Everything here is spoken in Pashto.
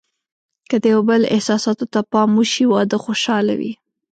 که د یو بل احساساتو ته پام وشي، واده خوشحاله وي.